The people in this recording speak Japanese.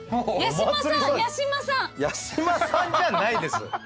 八嶋さんじゃないです。